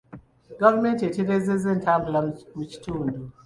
Gavumenti etereezezza entambula mu kitundu.